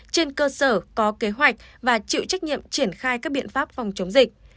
trên cơ sở có kế hoạch và chịu trách nhiệm triển khai các biện pháp phòng chống dịch